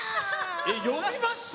呼びました？